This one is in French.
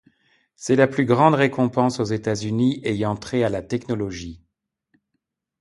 C'est la plus grande récompense aux États-Unis ayant trait à la technologie.